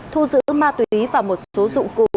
thu giữ ma túy và một số dụng cụ